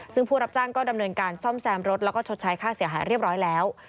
ซึ่งผู้รับจ้างก็ดำเนินการซ่อมแซมรถแล้วก็ชดใช้ค่าเสียหายเรียบร้อยแล้ว